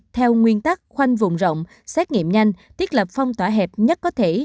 theo nguyên tắc khoanh vùng rộng xét nghiệm nhanh thiết lập phong tỏa hẹp nhất có thể